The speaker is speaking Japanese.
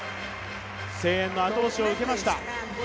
声援の後押しを受けました。